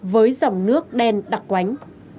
với dòng nước đen đặc quánh